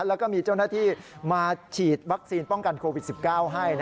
แล้วก็มีเจ้าหน้าที่มาฉีดวัคซีนป้องกันโควิด๑๙ให้